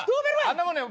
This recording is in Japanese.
あんなもんね